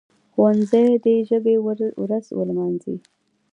ښوونځي دي د ژبي ورځ ولمانځي.